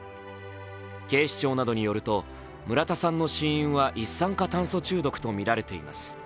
警視庁などによると、村田さんの死因は一酸化炭素中毒とみられています。